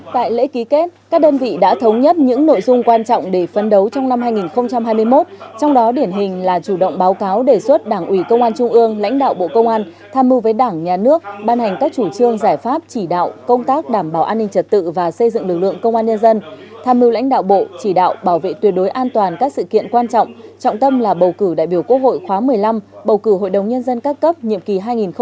tại lễ ký kết các đơn vị đã thống nhất những nội dung quan trọng để phấn đấu trong năm hai nghìn hai mươi một trong đó điển hình là chủ động báo cáo đề xuất đảng ủy công an trung ương lãnh đạo bộ công an tham mưu với đảng nhà nước ban hành các chủ trương giải pháp chỉ đạo công tác đảm bảo an ninh trật tự và xây dựng lực lượng công an nhân dân tham mưu lãnh đạo bộ chỉ đạo bảo vệ tuyệt đối an toàn các sự kiện quan trọng trọng tâm là bầu cử đại biểu quốc hội khóa một mươi năm bầu cử hội đồng nhân dân các cấp nhiệm kỳ